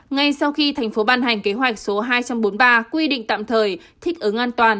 ngay sau khi thành phố ban hành kế hoạch số hai trăm bốn mươi ba quy định tạm thời thích ứng an toàn